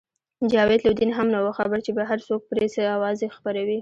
جاوید لودین هم نه وو خبر چې بهر څوک پرې څه اوازې خپروي.